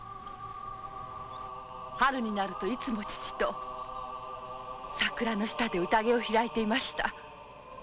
春になると父と桜の下でうたげを開いてました。